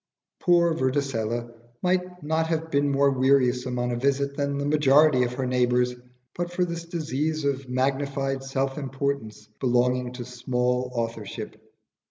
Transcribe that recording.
Poor Vorticella might not have been more wearisome on a visit than the majority of her neighbours, but for this disease of magnified self importance belonging to small authorship.